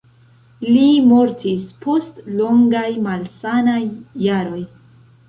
Li mortis post longaj malsanaj jaroj.